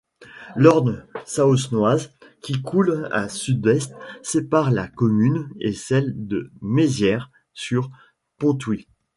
L'Orne saosnoise, qui coule au sud-est, sépare la commune et celle de Mézières-sur-Ponthouin.